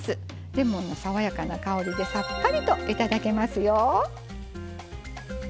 レモンの爽やかな香りでさっぱりといただけますよ。